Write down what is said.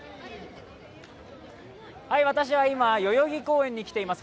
私は今、代々木公園に来ています